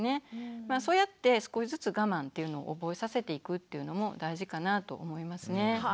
そうやって少しずつ我慢っていうのを覚えさせていくっていうのも大事かなと思いますね。